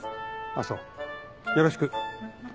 あっそうよろしく。